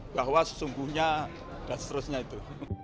bahwa sesungguhnya dan seterusnya itu